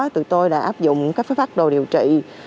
tụi tôi đã áp dụng các phác đồ điều trị